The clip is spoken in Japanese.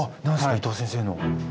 伊藤先生の。